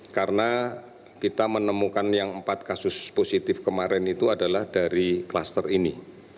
karena kita menemukan yang empat kasus positif kemarin itu adalah dari klaster ini